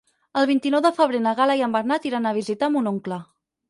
El vint-i-nou de febrer na Gal·la i en Bernat iran a visitar mon oncle.